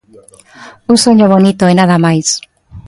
Un soño bonito e nada máis.